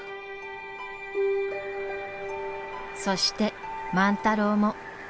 そして万太郎も。